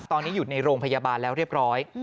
ตอนนี้อยู่ในโรงพยาบาลแล้วเรียบร้อย